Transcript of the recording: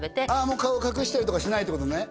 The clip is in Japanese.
もう顔隠したりとかしないってことね